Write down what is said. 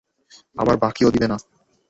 আবার বাকিও দিবেনা।